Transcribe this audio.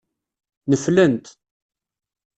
Neflent.